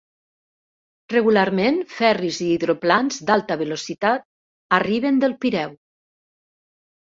Regularment, ferris i hidroplans d'alta velocitat arriben del Pireu.